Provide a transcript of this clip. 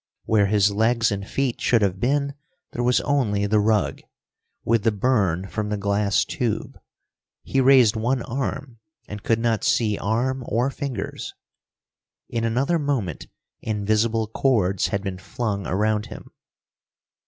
Where his legs and feet should have been, there was only the rug, with the burn from the glass tube. He raised one arm and could not see arm or fingers. In another moment invisible cords had been flung around him.